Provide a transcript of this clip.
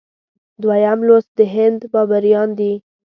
دویم لوست د هند بابریان دي.